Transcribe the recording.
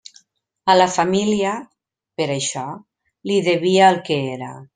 A la família, per això, li devia el que era.